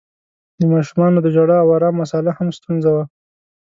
د ماشومانو د ژړا او آرام مسآله هم ستونزه وه.